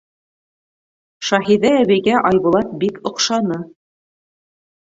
Шәһиҙә әбейгә Айбулат бик оҡшаны.